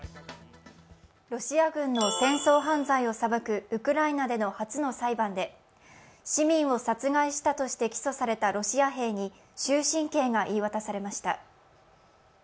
ロシア軍の戦争犯罪を裁くウクライナでの初の裁判で市民を殺害したとして起訴されたロシア兵に終身刑が言い渡されました。